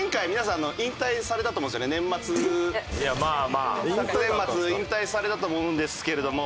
昨年末引退されたと思うんですけれども。